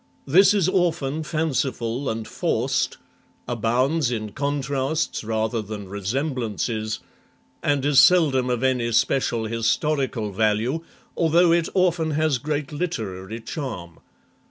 This is often fanciful and forced, abounds in contrasts rather than resemblances, and is seldom of any special historical value, although it often has great literary charm.